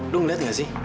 lu ngeliat nggak sih